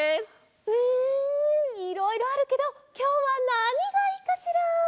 うんいろいろあるけどきょうはなにがいいかしら？